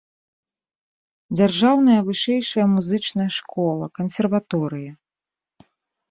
Дзяржаўная вышэйшая музычная школа, кансерваторыя.